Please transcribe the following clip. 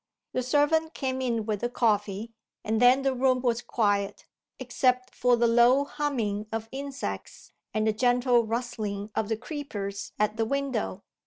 The servant came in with the coffee. And then the room was quiet, except for the low humming of insects and the gentle rustling of the creepers at the window.